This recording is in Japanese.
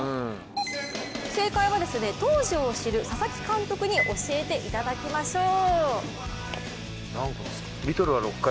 正解は当時を知る佐々木監督に教えていただきましょう。